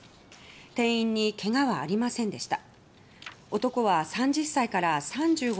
店員にけがはありませんでした。